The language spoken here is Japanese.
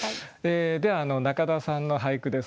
では中田さんの俳句です。